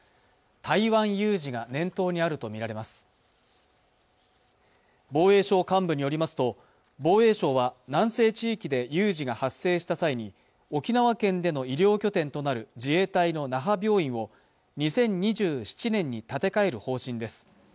台湾有事が念頭にあると見られます防衛省幹部によりますと防衛省は南西地域で有事が発生した際に沖縄県での医療拠点となる自衛隊の那覇病院を２０２７年に建て替える方針です